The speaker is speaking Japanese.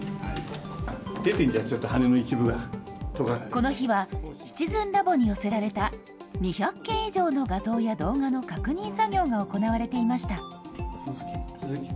この日は、シチズンラボに寄せられた、２００件以上の画像や動画の確認作業が行われていました。